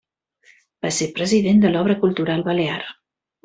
Va ser president de l'Obra Cultural Balear.